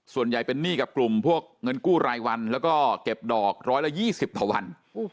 ส่วนใหญ่เป็นหนี้กับกลุ่มพวกเงินกู้รายวันแล้วก็เก็บดอกร้อยละ๒๐ต่อวัน